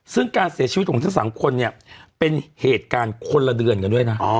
ซึ่งการเสียชีวิตของทั้งสองคนเนี่ยเป็นเหตุการณ์คนละเดือนกันด้วยนะ